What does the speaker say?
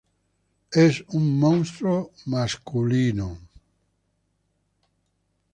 Es un monstruo "masculino".